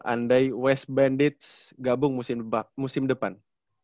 andai west bandits gabung musim depan